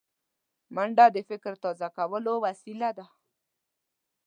منډه د فکر تازه کولو وسیله ده